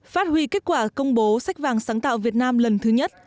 phát huy kết quả công bố sách vàng sáng tạo việt nam lần thứ nhất